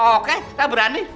oke kita berani